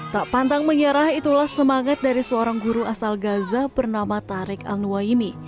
tak pantang menyerah itulah semangat dari seorang guru asal gaza bernama tarek al nuwayimi